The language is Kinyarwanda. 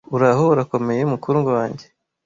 uraho urakomeye mukundwa wanjye